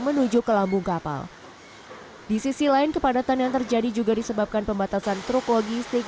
menuju ke lambung kapal di sisi lain kepadatan yang terjadi juga disebabkan pembatasan truk logistik